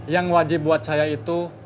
yang wajib buat saya itu